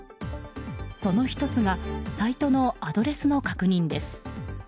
その１つがサイトのアドレスの確認です。